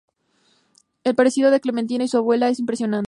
El parecido de Clementina y su abuela es impresionante.